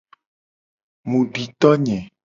Mu di to nye.